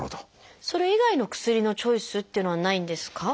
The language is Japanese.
それ以外の薬のチョイスっていうのはないんですか？